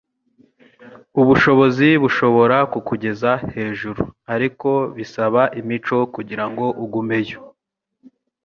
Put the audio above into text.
Ubushobozi bushobora kukugeza hejuru, ariko bisaba imico kugirango ugumeyo.”